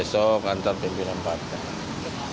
besok antar pimpinan partai